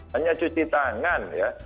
hanya cuci tangan ya